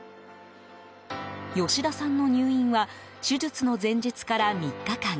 吉田さんの入院は手術の前日から３日間。